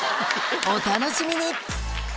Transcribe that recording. お楽しみに！